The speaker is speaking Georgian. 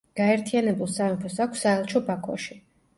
გაერთიანებულ სამეფოს აქვს საელჩო ბაქოში.